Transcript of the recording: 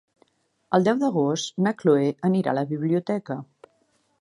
El deu d'agost na Chloé anirà a la biblioteca.